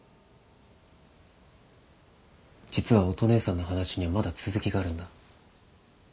実は乙姉さんの話にはまだ続きがあるんだ。